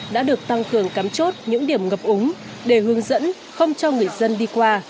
đã được tăng cường cắm chốt những điểm ngập úng để hướng dẫn không cho người dân đi qua